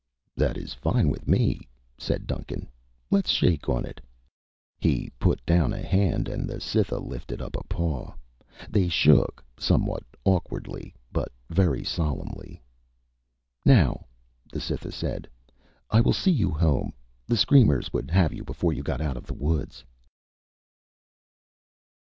"That is fine with me," said Duncan. "Let us shake on it." He put down a hand and the Cytha lifted up a paw. They shook, somewhat awkwardly, but very solemnly. "Now," the Cytha said, "I will see you home. The screamers would have you before you got out of the woods."